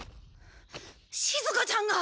しずかちゃんが。